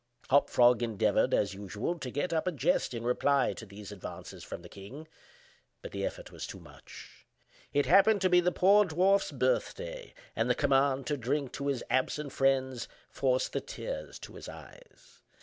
Hop Frog endeavored, as usual, to get up a jest in reply to these advances from the king; but the effort was too much. It happened to be the poor dwarf's birthday, and the command to drink to his "absent friends" forced the tears to his eyes.